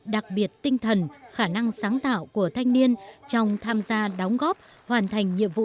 đặc biệt tinh thần khả năng sáng tạo của thanh niên trong tham gia đóng góp hoàn thành nhiệm vụ